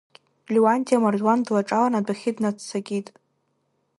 Леуанти амардуан длаҿалан, адәахьы днаццакит.